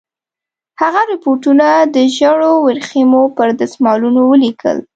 هغه رپوټونه د ژړو ورېښمو پر دسمالونو ولیکل.